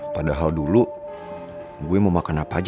padahal dulu gue mau makan apa aja